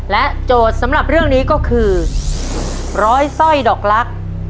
โจทย์สำหรับเรื่องนี้ก็คือร้อยสร้อยดอกลักษณ์